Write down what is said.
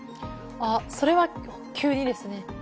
それは急にですね。